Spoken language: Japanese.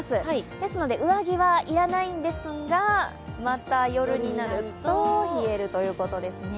ですので上着は要らないのですが、また夜になると冷えるということですね。